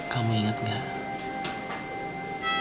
kamu ingat gak